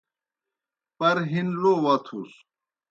پر ہِن لو وتُھس۔